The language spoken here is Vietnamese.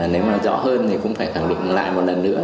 nếu mà rõ hơn thì cũng phải khẳng định lại một lần nữa